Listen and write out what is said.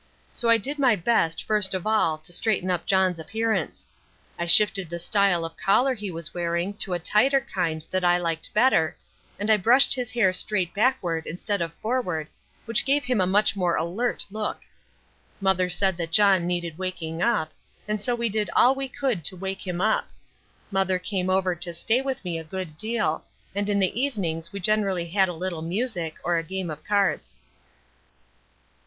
So I did my best first of all to straighten up John's appearance. I shifted the style of collar he was wearing to a tighter kind that I liked better, and I brushed his hair straight backward instead of forward, which gave him a much more alert look. Mother said that John needed waking up, and so we did all we could to wake him up. Mother came over to stay with me a good deal, and in the evenings we generally had a little music or a game of cards.